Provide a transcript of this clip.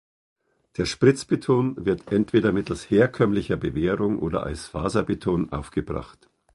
Der Spritzbeton wird entweder mittels herkömmlicher Bewehrung oder als Faserbeton aufgebracht.